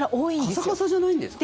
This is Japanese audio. カサカサじゃないんですか？